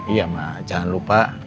iya ma jangan lupa